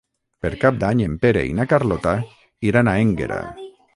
Per Cap d'Any en Pere i na Carlota iran a Énguera.